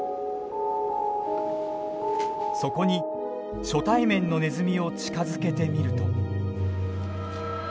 そこに初対面のネズミを近づけてみると。